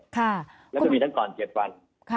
แล้วก็มีทั้งก่อน๗วัน